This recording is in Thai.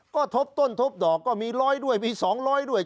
ก็ทบต้นทบดอกก็มี๑๐๐ด้วยมี๒๐๐ด้วย